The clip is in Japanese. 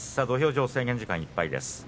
土俵上、制限時間いっぱいです。